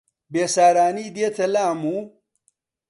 بێسارانی دێتە لام و